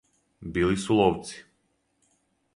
Били су ловци.